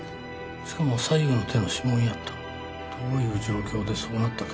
しかも左右の手の指紋やったどういう状況でそうなったか